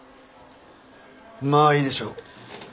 まあいいでしょう。